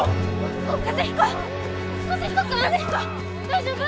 大丈夫？